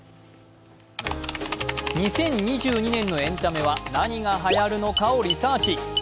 ２０２２年のエンタメは何がはやるのかをリサーチ。